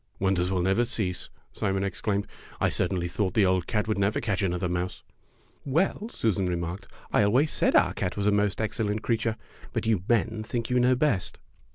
"Wonders will never cease!" Simon ex claimed. "I certainly thought the old cat would never catch another mouse." "Well," Susan remarked, "I always said our cat was a most excellent creature, but you men think you know best."